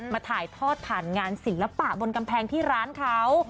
ถ่ายทอดผ่านงานศิลปะบนกำแพงที่ร้านเขา